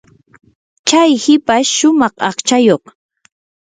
chay hipash shumaq aqchayuq.